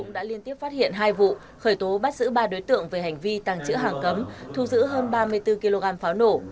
đã liên tiếp phát hiện hai vụ khởi tố bắt giữ ba đối tượng về hành vi tàng trữ hàng cấm thu giữ hơn ba mươi bốn kg pháo nổ